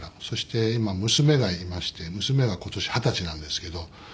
そして今娘がいまして娘が今年二十歳なんですけど。